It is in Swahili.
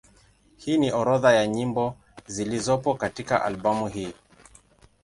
Hii ni orodha ya nyimbo zilizopo katika albamu hii.